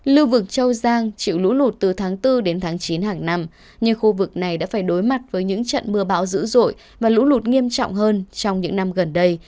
lưu vực châu giang chịu lũ lụt từ tháng bốn đến tháng chín hàng năm nhưng khu vực này đã phải đối mặt với những trận mưa bão dữ dội và lũ lụt nghiêm trọng hơn trong những năm gần đây